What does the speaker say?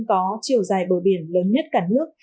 có chiều dài bờ biển lớn nhất cả nước